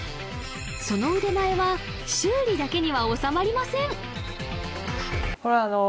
その腕前は修理だけにはおさまりません